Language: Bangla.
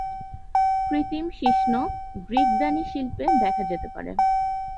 কৃত্রিম শিশ্ন গ্রিক দানি শিল্পে দেখা যেতে পারে।